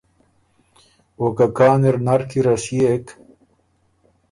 او که کان اِر نر کی رسيېک